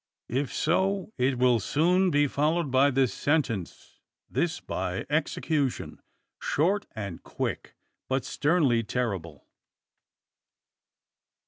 If so, it will soon be followed by the sentence; this by execution, short and quick, but sternly terrible!